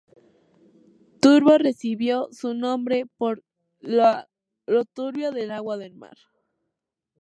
Turbo recibió su nombre por lo turbio del agua del mar.